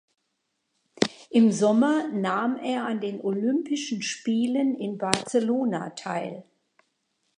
Im Sommer nahm er an den Olympischen Spielen in Barcelona teil.